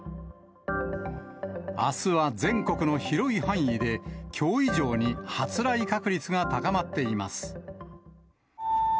あすは全国の広い範囲で、きょう以上に発雷確率が高まっています。